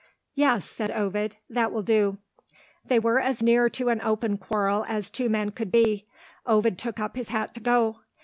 "Yes," said Ovid; "that will do." They were as near to an open quarrel as two men could be: Ovid took up his hat to go.